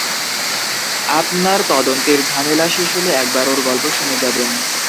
আপনার তদন্তের ঝামেলা শেষ হলে একবার ওর গল্প শুনে যাবেন।